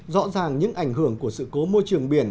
rõ ràng những ảnh hưởng của sự cố môi trường biển